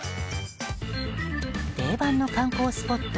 定番の観光スポット